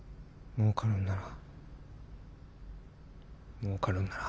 もうかるんなら。